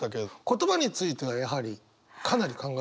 言葉についてはやはりかなり考えられてますか？